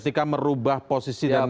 ketika merubah posisi dan mengakui itu